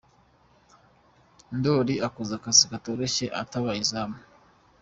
Ndori akoze akazi katoroshye atabaye izamu.